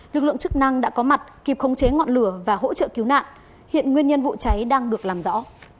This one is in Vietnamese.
lực lượng chức năng đã có mặt kịp khống chế ngọn lửa và hỗ trợ cứu nạn hiện nguyên nhân vụ cháy đang được làm rõ